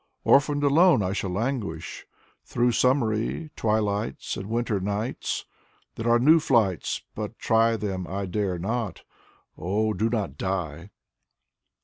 '' Orphaned, alone, I shall Languish, Through summery Twilights and Winter nights. There are new flights, but Try them I dare not. Oh, do not die!"